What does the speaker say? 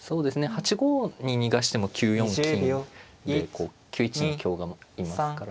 ８五に逃がしても９四金でこう９一に香がいますから。